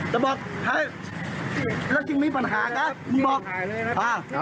จะบอกแล้วจริงมีปัญหากะมึงบอก